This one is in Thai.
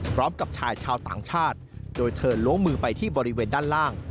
พร้อมกับชายชาวต่างชาติโดยเธอล้วงมือไปที่บริเวณด้านล่าง